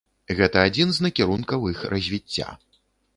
Гэта адзін з накірункаў іх развіцця.